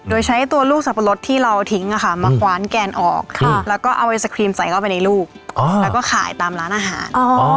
โดยใช้ตัวลูกสับปะรดที่เราทิ้งมาคว้านแกนออกแล้วก็เอาไอศครีมใส่เข้าไปในลูกแล้วก็ขายตามร้านอาหาร